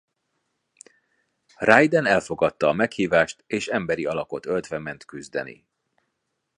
Raiden elfogadta a meghívást és emberi alakot öltve ment küzdeni.